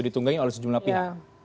ditunggangi oleh sejumlah pihak